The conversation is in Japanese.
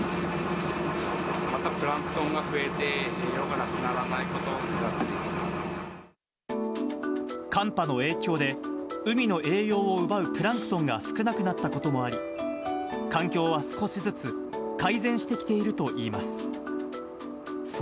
またプランクトンが増えて、寒波の影響で、海の栄養を奪うプランクトンが少なくなったこともあり、環境は少しずつ改善してきているといいます。